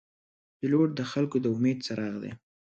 پیلوټ د خلګو د امید څراغ دی.